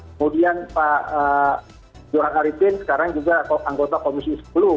kemudian pak joran haritin sekarang juga anggota komisi sepuluh